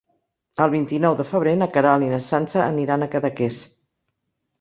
El vint-i-nou de febrer na Queralt i na Sança aniran a Cadaqués.